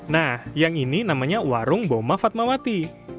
nah yang ini namanya warung boma fatmawati